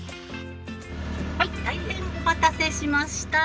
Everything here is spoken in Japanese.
はい大変お待たせしました。